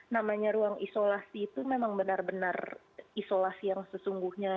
namanya ruang isolasi itu memang benar benar isolasi yang sesungguhnya